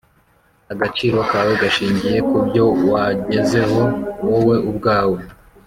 agaciro kawe gashingiye ku byo wagezeho wowe ubwawe